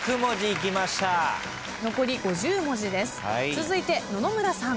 続いて野々村さん。